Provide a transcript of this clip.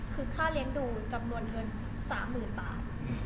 คือค่าเลี้ยงดูจำนวนเงิน๓๐๐๐บาท